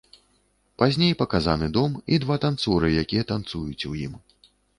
Пазней паказаны дом і два танцоры, якія танцуюць у ім.